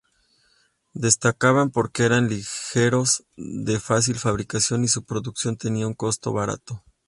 Destacaban porque eran ligeros, de fácil fabricación y su producción tenía un coste barato.